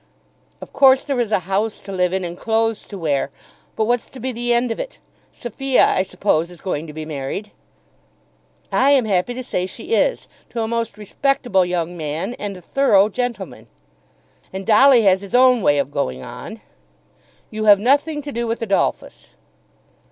"Of course there's a house to live in and clothes to wear; but what's to be the end of it? Sophia, I suppose, is going to be married." "I am happy to say she is, to a most respectable young man and a thorough gentleman." "And Dolly has his own way of going on." "You have nothing to do with Adolphus."